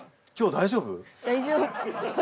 大丈夫。